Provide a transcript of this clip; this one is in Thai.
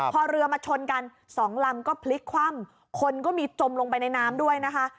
พอเรือมาชนกันสองลำก็พลิกคว่ำคนก็มีจมลงไปในน้ำด้วยนะคะ